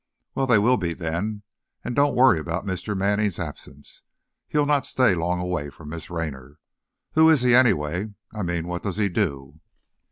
"Well, they will be, then. And don't worry about Mr. Manning's absence. He'll not stay long away from Miss Raynor. Who is he, anyway? I mean what does he do?"